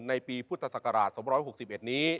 ในปีพุทธศักราช๒๖๑นี้